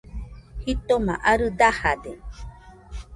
Jitoma arɨ dajade